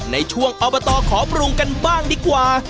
ในช่วงอบตขอปรุงกันบ้างดีกว่า